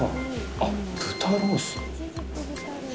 あっ、豚ロース？